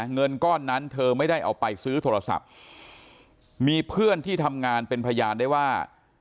เงินก้อนนั้นเธอไม่ได้เอาไปซื้อโทรศัพท์มีเพื่อนที่ทำงานเป็นพยานได้ว่า